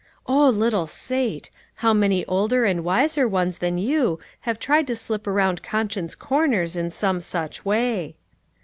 Oh little Sate! how many older and wiser ones than you have tried to slip around con science corners in some such way.